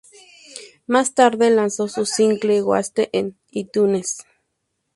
Más tarde lanzó su single "Wasted" en iTunes.